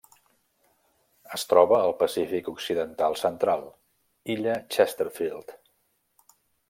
Es troba al Pacífic occidental central: illa Chesterfield.